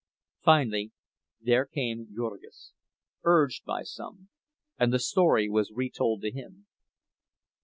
Finally there came Jurgis, urged by some one, and the story was retold to him.